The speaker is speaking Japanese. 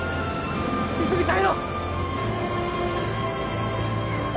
一緒に帰ろう！